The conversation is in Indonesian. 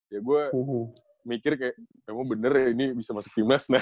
ya gue mikir kayak kamu bener ya ini bisa masuk timnas